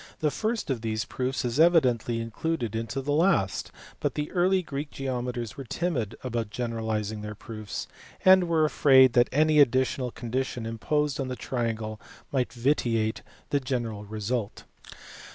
The first of these proofs is evidently included in the last, but the early Greek geometers were timid about generalizing their proofs, and were afraid that any additional condition imposed on the triangle might vitiate the general result.